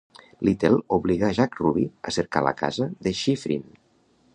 Littell obliga Jack Ruby a cercar la casa de Schiffrin.